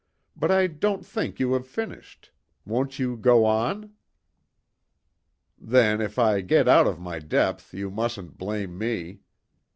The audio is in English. "But I don't think you have finished. Won't you go on?" "Then if I get out of my depth you mustn't blame me.